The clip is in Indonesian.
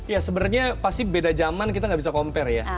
ya sebenarnya pasti beda zaman kita nggak bisa compare ya